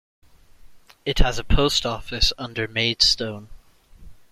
It has a post office under Maidstone.